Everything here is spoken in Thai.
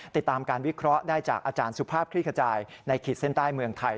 ติดตามการวิเคราะห์ได้จากอาจารย์สุภาพคลี่ขจายในขีดเส้นใต้เมืองไทย